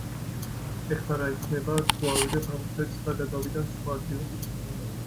ეხლა რა იქნება, თუ ავიღებ ამ სვეტს და გადავიტან სხვა ადგილას.